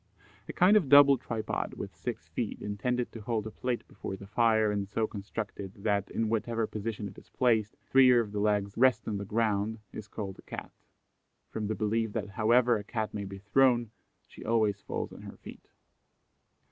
A kind of double tripod with six feet, intended to hold a plate before the fire and so constructed that, in whatever position it is placed, three of the legs rest on the ground, is called a Cat, from the belief that however a Cat may be thrown, she always falls on her feet.